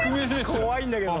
怖いんだけど！